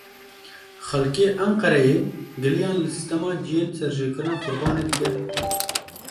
Xelkê Enqereyê giliyan li sîstema ciyên serjêkirina qurbanê dike.